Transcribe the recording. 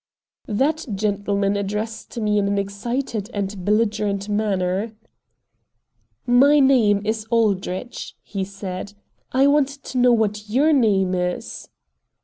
That gentleman addressed me in an excited and belligerent manner. "My name is Aldrich," he said; "I want to know what YOUR name is?"